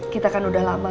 kita kan udah lama